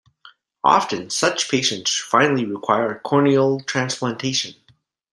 Often, such patients finally require corneal transplantation.